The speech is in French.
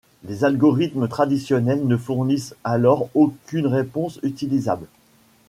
Les algorithmes traditionnels ne fournissent alors aucune réponse utilisable.